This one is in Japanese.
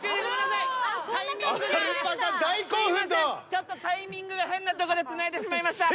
ちょっとタイミングが変なとこでつないでしまいました。